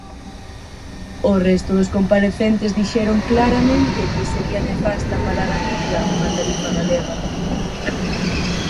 O resto dos comparecentes dixeron claramente que sería nefasta para Galicia unha tarifa galega.